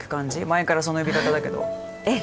前からその呼び方だけどええ